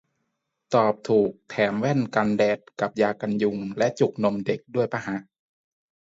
ตอบถูกแถมแว่นกันแดดกับยาดมและจุกนมเด็กด้วยปะฮะ